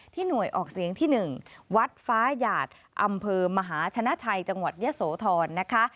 หน่วยออกเสียงที่๑วัดฟ้าหยาดอำเภอมหาชนะชัยจังหวัดยะโสธรนะคะ